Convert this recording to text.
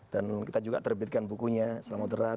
dan kita juga terbitkan bukunya